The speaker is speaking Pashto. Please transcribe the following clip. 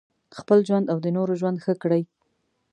خپل ژوند او د نورو ژوند ښه کړي.